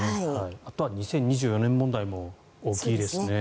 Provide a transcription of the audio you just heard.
あとは２０２４年問題も大きいですね。